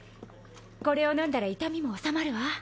これを飲んだら痛みも治まるわ。